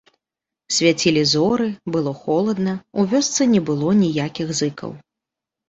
Свяцілі зоры, было холадна, у вёсцы не было ніякіх зыкаў.